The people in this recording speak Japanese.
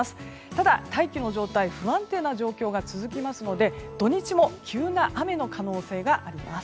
ただ大気の状態が不安定な状況が続きますので土日も急な雨の可能性があります。